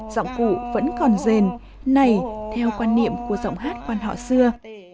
giọng cụ vẫn còn rền này theo quan niệm của giọng hát quan họ xưa